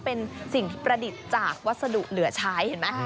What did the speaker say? เป็นสิ่งที่ประดิษฐ์จากวัสดุเหลือใช้เห็นไหม